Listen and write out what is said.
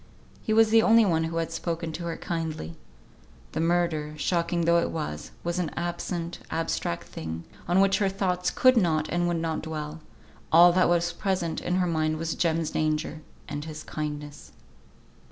He was the only one who had spoken to her kindly. The murder, shocking though it was, was an absent, abstract thing, on which her thoughts could not, and would not dwell; all that was present in her mind was Jem's danger, and his kindness.